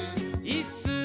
いっすー！」